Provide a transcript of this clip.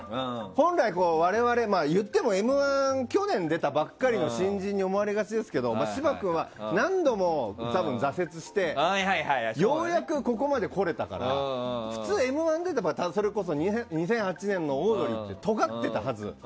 本来、我々言っても「Ｍ‐１」に去年出たばかりの新人に思われがちですけど芝君は何度も多分挫折してようやくここまで来れたから普通「Ｍ‐１」に出たらそれこそ２００８年のオードリーってとがってたはず。